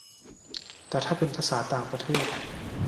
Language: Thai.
แต่ถ้าเป็นภาษาต่างประเทศ